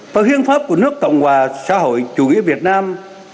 và hiến pháp của nước cộng hòa xã hội chủ nghĩa việt nam